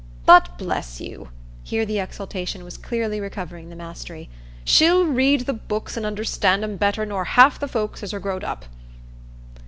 But bless you!"—here the exultation was clearly recovering the mastery,—"she'll read the books and understand 'em better nor half the folks as are growed up."